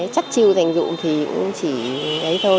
chất chiêu thành dụng thì cũng chỉ đấy thôi